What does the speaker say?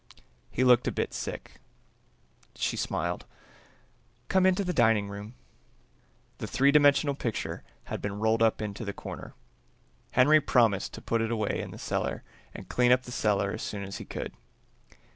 He looked a bit sick. She smiled. "Come into the dining room." The three dimensional picture had been rolled up into the corner. Henry promised to put it away in the cellar and clean up the cellar as soon as he could.